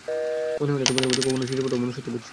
মনে হয় না তোমার মধ্যে কখনো ছিটেফোঁটাও মনুষ্যত্ব বোধ ছিল।